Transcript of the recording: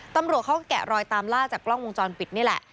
ตำรวจเขาก็แกะรอยตามล่าจากกล้องวงจรปิดนี่แหละ